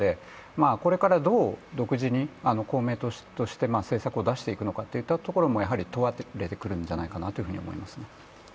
これから、どう公明党として政策を出していくのかといったところも問われてくるのかなと思います。